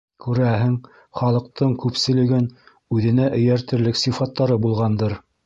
- Күрәһең, халыҡтың күпселеген үҙенә эйәртерлек сифаттары булғандыр.